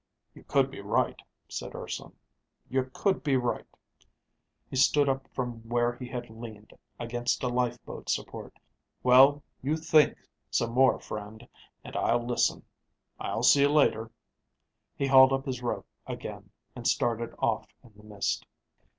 "You could be right," said Urson. "You could be right." He stood up from where he had leaned against a lifeboat support. "Well, you think some more friend, and I'll listen. I'll see you later." He hauled up his rope again and started off in the mist.